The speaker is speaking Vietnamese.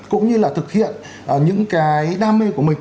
cũng như là thực hiện những cái đam mê của mình